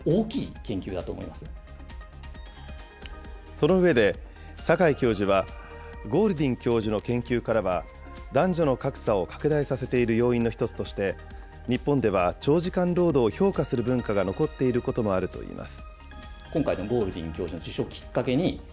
その上で、坂井教授は、ゴールディン教授の研究からは、男女の格差を拡大させている要因の一つとして、日本では長時間労働を評価する文化が残っていることもあるといいます。